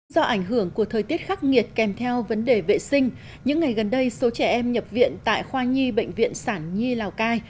do ảnh hưởng của thời tiết khắc nghiệt kèm theo vấn đề vệ sinh những ngày gần đây số trẻ em nhập viện tại khoa nhi bệnh viện sản nhi lào cai